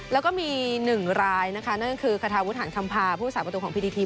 แล้วก็มี๑รายนะคะนั่นก็คือคาทาวุฒหารคำพาผู้สาประตูของพิธีที